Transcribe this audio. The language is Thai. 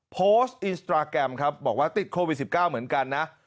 โพสต์อินสตราแกรมครับบอกว่าติดโควิด๑๙เหมือนกันนะ